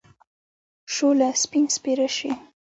شوله! سپين سپيره شې.